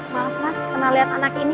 bapak pernah lihat anak ini